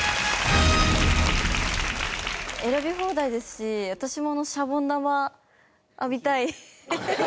選び放題ですし私もあのシャボン玉浴びたい。